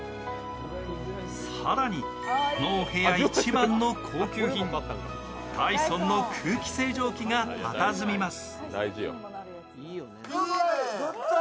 更にこのお部屋一番の高級品、ダイソンの空気清浄機がたたずみます。